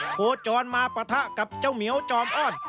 โขดจอรมาประธะกับเจ้ามี๋ยวจอมอ้อน